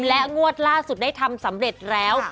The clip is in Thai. และงวดล่าสุดได้ทำสำเร็จแล้ว